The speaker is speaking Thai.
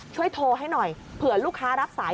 ช่วยโทรให้หน่อยเผื่อลูกค้ารับสาย